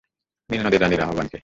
নীলনদের রাণীর আহ্বানকে!